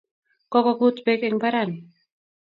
kogut beek eng' mbaranni